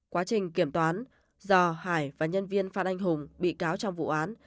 quá trình kiểm toán do hải và nhân viên phan anh hùng bị cáo trong vụ án